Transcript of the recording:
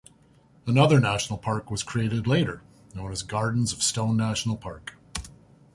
Another national park was created later, known as the Gardens of Stone National Park.